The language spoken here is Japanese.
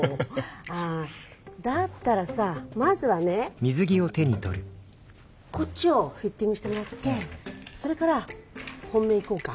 ああだったらさまずはねこっちをフィッティングしてもらってそれから本命いこうか。